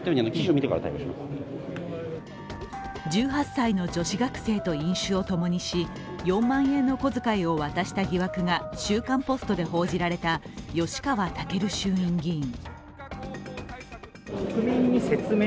１８歳の女子学生と飲酒をともにし、４万円の小遣いを渡した疑惑が「週刊ポスト」で報じられた吉川赳衆院議員。